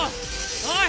おい！